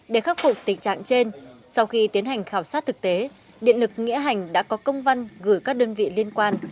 để khắc phục tình trạng trên sau khi tiến hành khảo sát thực tế điện lực nghĩa hành đã có công văn gửi các đơn vị liên quan